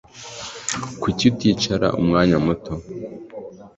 Kuki uticara umwanya muto